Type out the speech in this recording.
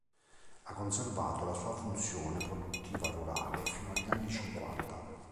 Ha conservato la sua funzione produttiva rurale fino agli anni cinquanta.